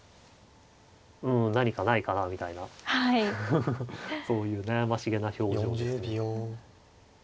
うん何かないかなみたいなそういう悩ましげな表情ですね。